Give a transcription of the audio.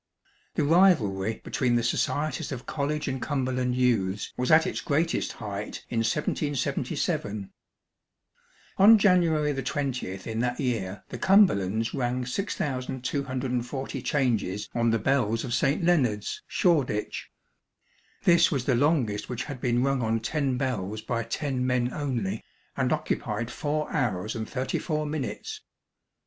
The rivalry between the societies of College and Cumberland Youths was at its greatest height in 1777. On January 20th, in that year, the Cumberlands rang 6240 changes on the bells of St Leonard's, Shoreditch. This was the longest which had been rung on ten bells by ten men only, and occupied four hours and thirty four minutes.